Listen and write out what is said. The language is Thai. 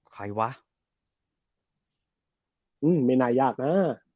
ใครวะอืมไม่น่ายากนะ